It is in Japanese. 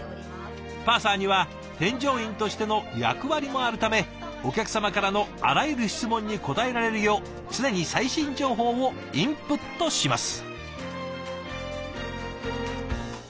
パーサーには添乗員としての役割もあるためお客様からのあらゆる質問に答えられるよう常に最新情報をインプットします。